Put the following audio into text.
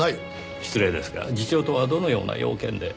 失礼ですが次長とはどのような用件で？